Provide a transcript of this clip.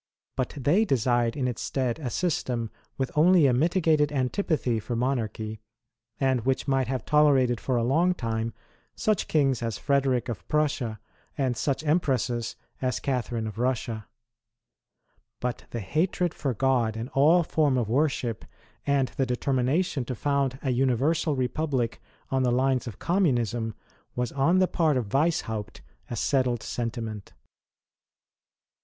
But they desired in its stead a system with only a mitigated antipathy for monarchy, and which might have tolerated for a long time such kings as Frederick of Prussia, and such Empresses as Catherine of Russia. But the hatred for God and all form of worship, and the determina tion to found a universal republic on the lines of Communism, was on the part of Weishaupt a settled sentiment.